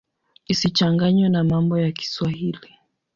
Isichanganywe na mambo ya Kiswahili.